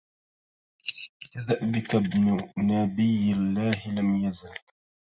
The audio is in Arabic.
كدأبك ابن نبي الله لم يزل